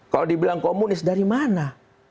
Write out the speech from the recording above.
kalau dibilang komunis dari mana